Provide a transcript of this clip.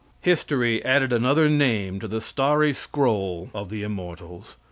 History added another name to the starry scroll of the immortals.